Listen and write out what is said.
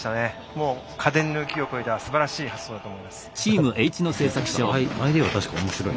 もう家電の域を超えたすばらしい発想だと思います。